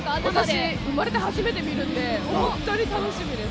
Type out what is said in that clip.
私、生まれて初めて見るのですごく楽しみです。